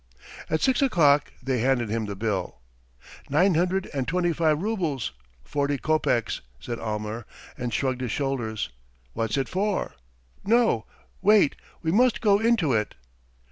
At six o'clock they handed him the bill. "Nine hundred and twenty five roubles, forty kopecks," said Almer, and shrugged his shoulders. "What's it for? No, wait, we must go into it!"